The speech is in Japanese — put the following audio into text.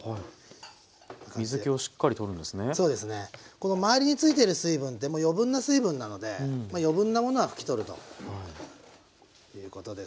この周りについてる水分ってもう余分な水分なので余分なものは拭き取るということです。